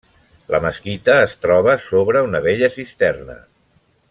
La mesquita es troba sobre una vella cisterna.